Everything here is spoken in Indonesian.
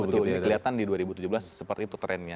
betul ini kelihatan di dua ribu tujuh belas seperti itu trennya